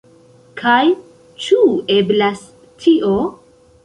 Kaj ĉu eblas tio?